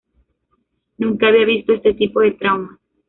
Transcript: Nunca había visto este tipo de trauma.